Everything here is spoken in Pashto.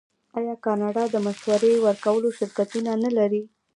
آیا کاناډا د مشورې ورکولو شرکتونه نلري؟